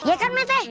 iya kan met eh